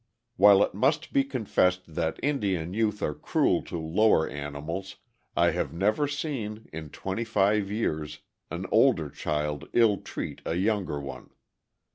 While it must be confessed that Indian youth are cruel to the lower animals, I have never seen, in twenty five years, an older child ill treat a younger one.